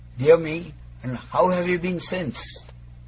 Dear me! And how have you been since?